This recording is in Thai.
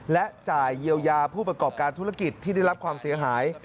และจ่ายเยียวยาผู้ประกอบการธุรกิจที่ได้รับความเสียหาย